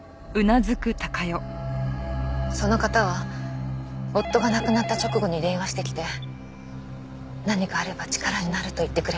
その方は夫が亡くなった直後に電話してきて何かあれば力になると言ってくれました。